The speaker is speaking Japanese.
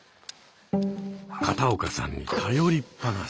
片岡さんに頼りっぱなし。